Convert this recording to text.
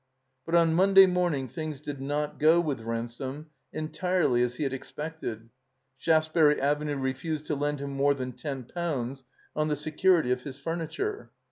But on Monday morning things did not go with Ransome entirely as he had expected. Shaftesbury Avenue refused to lend him more than ten pounds on the security of his ftuniture.